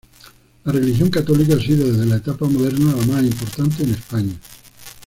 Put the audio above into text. La religión católica ha sido desde la etapa moderna la más importante en España.